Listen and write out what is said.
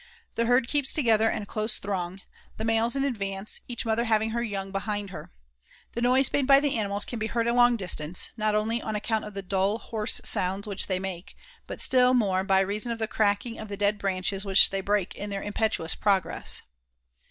The herd keeps together in a close throng, the males in advance, each mother having her young behind her. The noise made by the animals can be heard a long distance, not only on account of the dull, hoarse sounds which they make, but still more by reason of the cracking of the dead branches which they break in their impetuous progress.